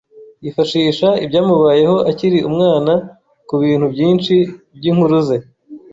Yifashisha ibyamubayeho akiri umwana kubintu byinshi byinkuru ze